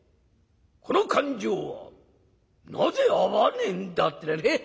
『この勘定はなぜ合わねえんだ』ってなね